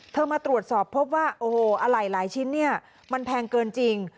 มาตรวจสอบพบว่าโอ้โหอะไหล่หลายชิ้นเนี่ยมันแพงเกินจริง